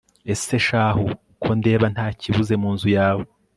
ese shahu, ko ndeba nta kibuze mu nzu yawe